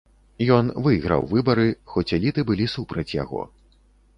Ён выйграў выбары, хоць эліты былі супраць яго.